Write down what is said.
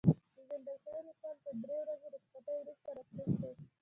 پېژندل شوی لیکوال تر درې ورځو رخصتۍ وروسته راستون شو.